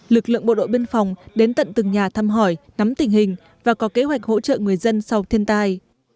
lực lượng bộ đội biên phòng đến tận từng nhà thăm hỏi nắm tình hình và có kế hoạch hỗ trợ người dân sau thiên tai